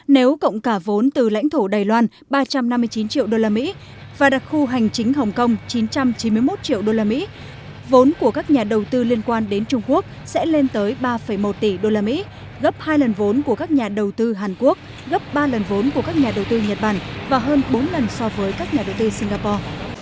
nếu cộng cả vốn từ lãnh thổ đài loan ba trăm năm mươi chín triệu usd và đặc khu hành chính hồng kông chín trăm chín mươi một triệu usd vốn của các nhà đầu tư liên quan đến trung quốc sẽ lên tới ba một tỷ usd gấp hai lần vốn của các nhà đầu tư hàn quốc gấp ba lần vốn của các nhà đầu tư nhật bản và hơn bốn lần so với các nhà đầu tư singapore